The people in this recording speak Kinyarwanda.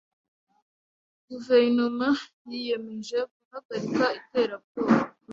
Guverinoma yiyemeje guhagarika iterabwoba.